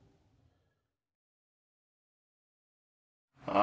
あ。